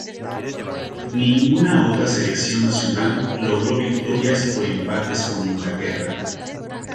Ninguna otra selección nacional logró victorias o empates con Inglaterra.